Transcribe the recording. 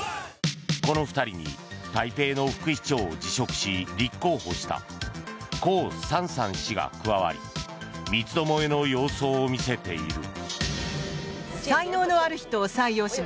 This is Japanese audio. この２人に台北の副市長を辞職し立候補したコウ・サンサン氏が加わり三つどもえの様相を見せている。